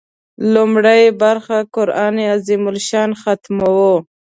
لومړۍ برخه قران عظیم الشان ختم و.